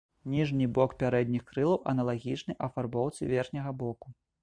Ніжні бок пярэдніх крылаў аналагічны афарбоўцы верхняга боку.